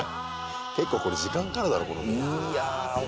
結構これ時間かかるだろこのメーク。